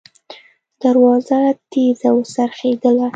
دروازه تېزه وڅرخېدله.